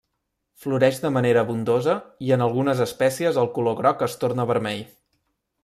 Floreix de manera abundosa i en algunes espècies el color groc es torna vermell.